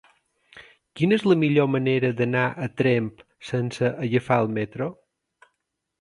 Quina és la millor manera d'anar a Tremp sense agafar el metro?